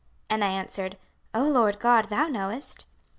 And I answered, O Lord GOD, thou knowest.